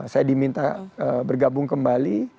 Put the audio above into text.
saya diminta bergabung kembali